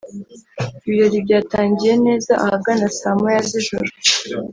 Ibirori byatangiye neza ahagana saa moya z’ijoro